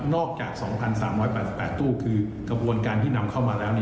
อกจาก๒๓๘๘ตู้คือกระบวนการที่นำเข้ามาแล้ว